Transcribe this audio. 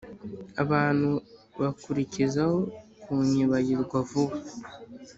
abantu bakurizaho kunyibagirwa vuba